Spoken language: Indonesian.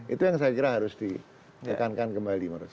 itu yang saya kira harus ditekankan kembali menurut saya